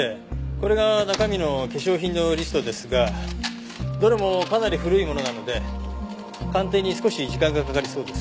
これが中身の化粧品のリストですがどれもかなり古いものなので鑑定に少し時間がかかりそうです。